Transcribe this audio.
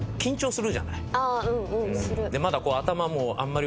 する。